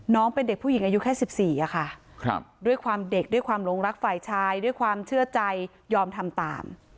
น้องเป็นเด็กผู้หญิงอายุแค่๑๔ค่ะด้วยความเด็กด้วยความหลงรักฝ่ายชายด้วยความเชื่อใจยอมทำตาม